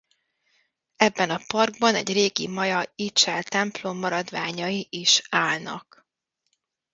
Ebben a parkban egy régi maja Ixchel-templom maradványai is állnak.